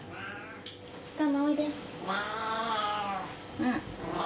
うん。